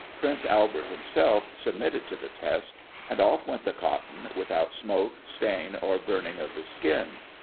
Prince Albert himself submitted to the test, and off went the cotton, without smoke, stain, or burning of the skin.